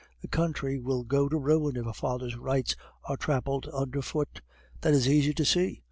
The country will go to ruin if a father's rights are trampled under foot. That is easy to see.